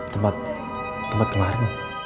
tempat tempat kemarin